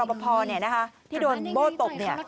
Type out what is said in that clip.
ไม่รู้อะไรกับใคร